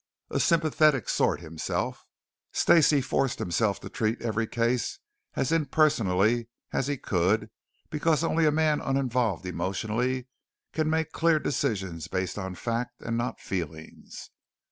A sympathetic sort himself, Stacey forced himself to treat every case as impersonally as he could because only a man uninvolved emotionally can make clear decisions based on fact and not feelings.